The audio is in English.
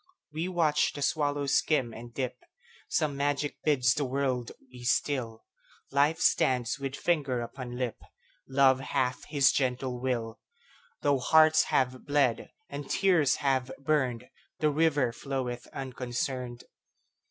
We watch the swallow skim and dip; Some magic bids the world be still; Life stands with finger upon lip; Love hath his gentle will; Though hearts have bled, and tears have burned, The river floweth unconcerned.